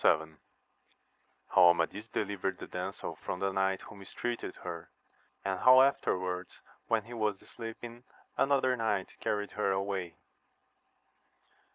— How Amadis deliyered the damsel from the knight who mistreated her, and how afterwards when he was sleeping another knight carried her away.